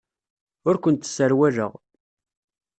Ur kent-sserwaleɣ.